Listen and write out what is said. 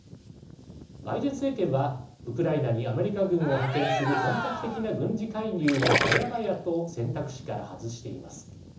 バイデン政権はウクライナにアメリカ軍を派遣する本格的な軍事介入は早々と選択肢から外しています。